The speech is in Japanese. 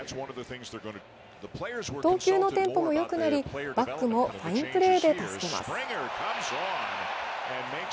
投球のテンポもよくなり、バックもファインプレーで助けます。